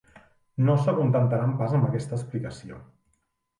No s'acontentaran pas amb aquesta explicació.